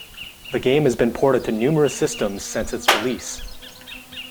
The game has been ported to numerous systems since its release.